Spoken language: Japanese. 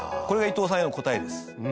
これがいとうさんへの答えです。